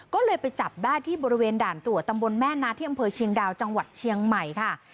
ก็เลยไปจับได้ที่บริเวณด่านตรวจตำบลแม่นาที่อำเภอเชียงดาวจังหวัดเชียงใหม่ค่ะ